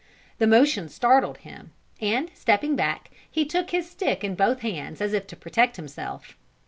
The motion startled him; and stepping back, he took his stick in both hands as if to protect himself.